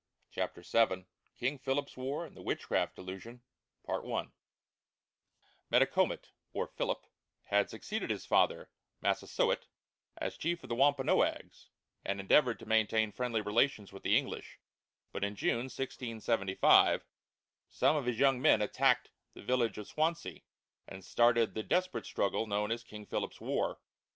CHAPTER VII KING PHILIP'S WAR AND THE WITCHCRAFT DELUSION Metacomet, or Philip, had succeeded his father, Massasoit, as chief of the Wampanoags, and endeavored to maintain friendly relations with the English, but in June, 1675, some of his young men attacked the village of Swansea, and started the desperate struggle known as King Philip's War.